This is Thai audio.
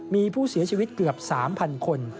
มีผู้เสียชีวิตเกือบ๓๐๐คน